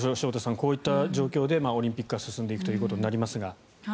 こういった状況でオリンピックが進んでいくということになりますが。